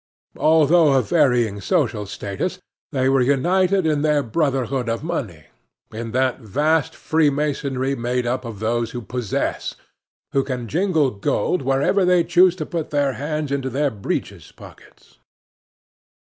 Although of varying social status, they were united in the brotherhood of money in that vast freemasonry made up of those who possess, who can jingle gold wherever they choose to put their hands into their breeches' pockets.